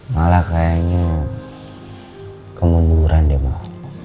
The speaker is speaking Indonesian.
malah kayaknya kemunduran deh maaf